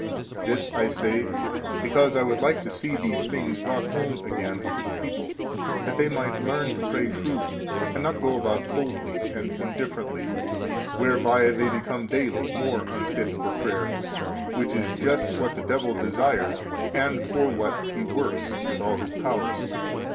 29 This I say because I would like to see these things brought home again to the people that they might learn to pray truly, and not go about coldly and indifferently, whereby they become daily more unfit for prayer; which is just what the devil desires, and for what he works with all his powers.